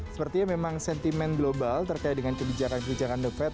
sepertinya memang sentimen global terkait dengan kebijakan kebijakan the fed